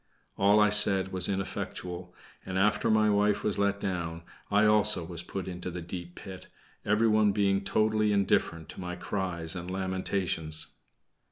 All I said was ineffectual, and after my wife was let down, I also was put into the deep pit, everyone being totally indifferent to my cries and lamentations.